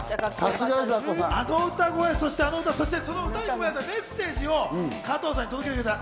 あの歌声、そしてその裏に込められたメッセージを加藤さんに伝えられた。